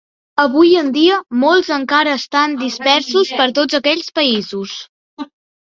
Avui en dia, molts encara estan dispersos per tots aquells països.